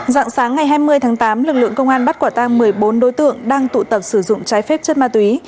dạng sáng ngày hai mươi tháng tám lực lượng công an bắt quả tang một mươi bốn đối tượng đang tụ tập sử dụng trái phép chất ma túy